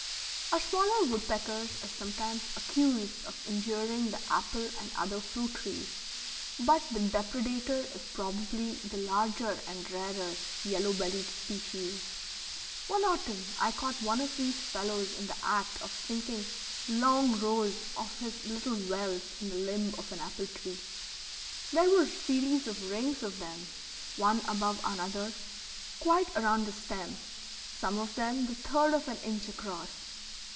Our smaller woodpeckers are sometimes accused of injuring the apple and other fruit trees, but the depredator is probably the larger and rarer yellow bellied species. One autumn I caught one of these fellows in the act of sinking long rows of his little wells in the limb of an apple tree. There were series of rings of them, one above another, quite around the stem, some of them the third of an inch across.